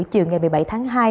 chiều ngày một mươi bảy tháng hai